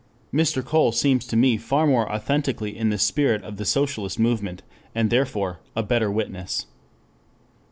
Mr. Cole seems to me far more authentically in the spirit of the socialist movement, and therefore, a better witness.